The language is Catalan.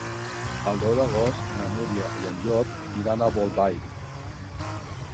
El deu d'agost na Núria i en Llop iran a Bolbait.